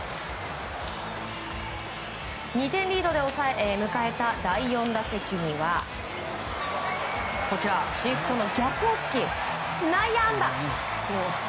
２点リードで迎えた第４打席にはシフトの逆を突き内野安打。